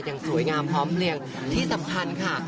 อย่างสวยงามพร้อมเลียงที่สำคัญค่ะ